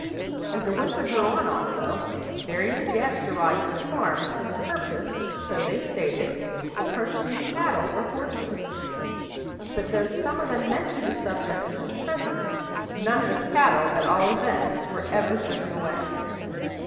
As the winter grew on, also, various guests arrived at the farm for the purpose, so they stated, of purchasing cattle or horses; but though some of them mentioned the subject in his presence, none of the cattle, at all events, were ever driven away.